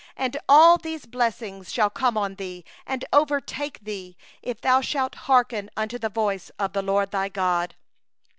2And all these blessings shall come upon thee, and overtake thee, if thou shalt hearken unto the voice of the LORD thy God.